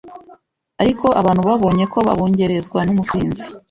Ariko abantu babonye ko babungerezwa n’umusinzi,